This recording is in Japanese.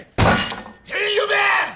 店員呼べ！！